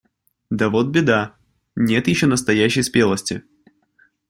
Да вот беда: нет еще настоящей спелости.